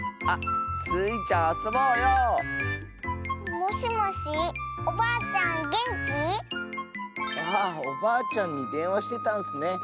あっおばあちゃんにでんわしてたんスね。